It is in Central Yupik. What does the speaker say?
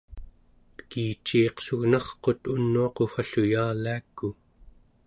tekiciiqsugnarqut unuaqu wall'u yaaliaku